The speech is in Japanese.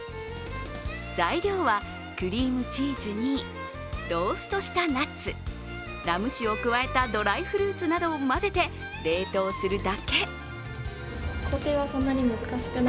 材料はクリームチーズにローストしたナッツ、ラム酒を加えたドライフルーツなどを混ぜて冷凍するだけ。